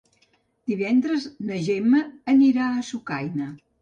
Divendres na Gemma anirà a Sucaina.